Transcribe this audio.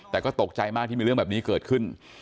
แต่ก็ตกใจมากที่มีเรื่องแบบนี้เกิดขึ้น